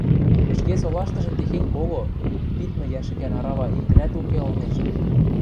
Ӹшке солаштыжы техень кого, пидмы йӓшӹкӓн арава иктӹнӓт уке ылнежӹ.